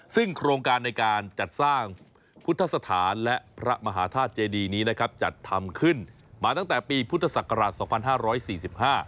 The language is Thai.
ซึ่งโครงการในการจัดสร้างพุทธศาสตร์และพระมหาธาตุเจดีนี้นะครับจัดทำขึ้นมาตั้งแต่ปีพุทธศักราช๒๕๔๕